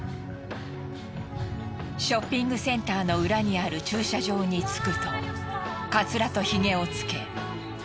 ショッピングセンターの裏にある駐車場に着くとカツラと髭をつけ用意した服に着替えて